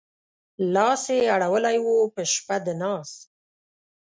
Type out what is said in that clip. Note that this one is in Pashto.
لاس يې اړولی و په شپه د ناز